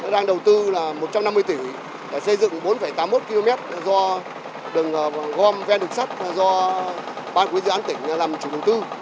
đang đầu tư là một trăm năm mươi tỷ để xây dựng bốn tám mươi một km do đường gom ven đường sắt do ban quý dự án tỉnh làm chủ đầu tư